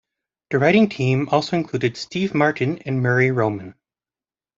The writing team also included Steve Martin and Murray Roman.